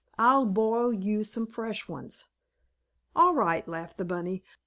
"I'll boil you some fresh ones." "All right," laughed the bunny.